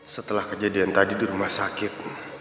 setelah kejadian tadi di rumah sakit